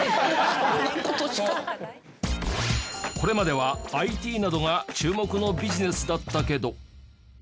これまではＩＴなどが注目のビジネスだったけど。